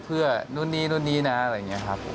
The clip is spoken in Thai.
เพื่อนู้นนี้นะอะไรอย่างนี้ครับ